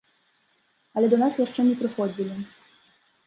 Але да нас яшчэ не прыходзілі.